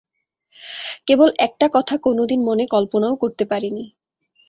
কেবল একটা কথা কোনোদিন মনে কল্পনাও করতে পারি নি।